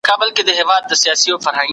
د موضوع مخینه په پام کې ونیول سوه.